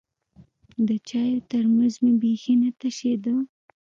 د چايو ترموز مې بيخي نه تشېده.